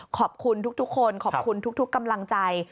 ขอบคุณทุกคนขอบคุณทุกกำลังใจ